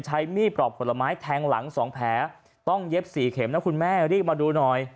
ใช้มีดปลอกผลไม้แทงหลัง๒แผลต้องเย็บสี่เข็มนะคุณแม่รีบมาดูหน่อย